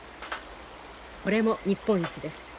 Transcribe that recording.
これも日本一です。